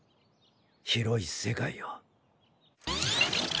広い世界を。